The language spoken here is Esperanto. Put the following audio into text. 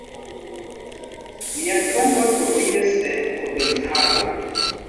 Lia tombo troviĝas en Kopenhago.